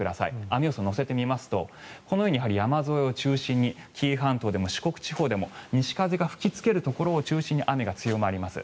雨予想を乗せてみますとこのように山沿いを中心に紀伊半島でも四国地方でも西風が吹きつけるところを中心に雨が強まります。